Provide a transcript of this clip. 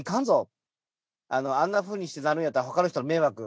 「あんなふうにしてやるんやったら他の人の迷惑」。